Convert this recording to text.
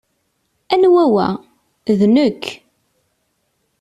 Anwa wa?" "D nekk.